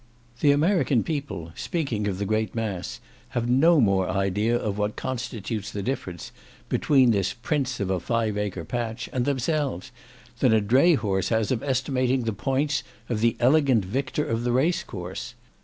The American people (speaking of the great mass) have no more idea of what constitutes the difference between this "Prince of a five acre patch," and themselves, than a dray horse has of estimating the points of the elegant victor of the race course.